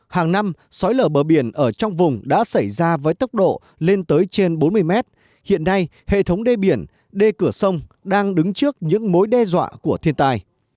hàng năm sói lở bờ biển ở trong vùng đã xảy ra với tốc độ lên tới trên bốn mươi mét hiện nay hệ thống đê biển đê cửa sông đang đứng trước những mối đe dọa của thiên tai